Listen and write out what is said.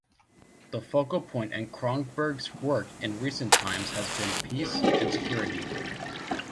The focal point in Cronberg's work in recent times has been peace and security.